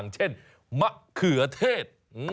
เช่นมะเขือเทศ